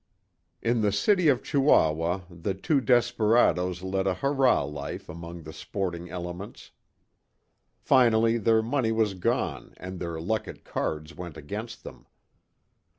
In the city of Chihuahua, the two desperadoes led a hurrah life among the sporting elements. Finally their money was gone and their luck at cards went against them.